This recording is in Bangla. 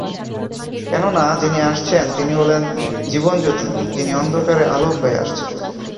কেননা, যিনি আসছেন, তিনি হলেন জীবনজ্যোতি, যিনি অন্ধকারে আলোক হয়ে আসছেন।